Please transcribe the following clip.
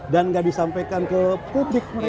dan tidak disampaikan ke publik mereka